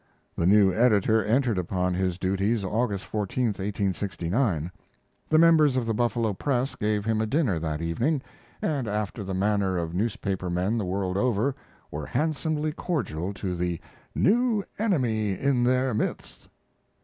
The new editor entered upon his duties August 14 (1869). The members of the Buffalo press gave him a dinner that evening, and after the manner of newspaper men the world over, were handsomely cordial to the "new enemy in their midst."